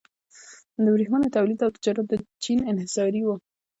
د ورېښمو تولید او تجارت د چین انحصاري و.